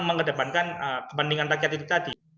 mengedepankan kepentingan rakyat itu tadi